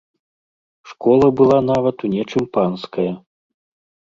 Школа была нават у нечым панская.